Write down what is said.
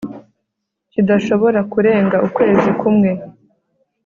kidashobora kurenga ukwezi kumwe